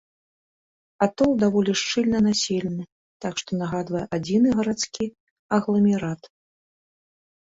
Атол даволі шчыльна населены, так што нагадвае адзіны гарадскі агламерат.